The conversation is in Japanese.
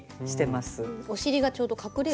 お尻がちょうど隠れる。